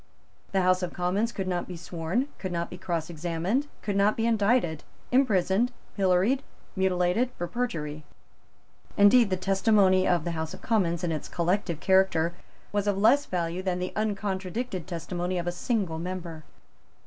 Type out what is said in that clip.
The House of Commons could not be sworn, could not be cross examined, could not be indicted, imprisoned, pilloried, mutilated, for perjury. Indeed the testimony of the House of Commons in its collective character was of less value than the uncontradicted testimony of a single member.